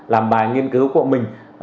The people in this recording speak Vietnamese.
làm bài nghiên cứu của mình